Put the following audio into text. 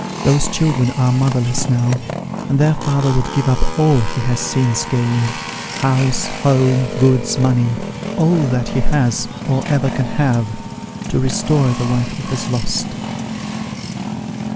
Those children are motherless now, and their father woiilct give up all he has since gained house, home, goods, money : all that he has, or ever can have, to restore the wife he has lost."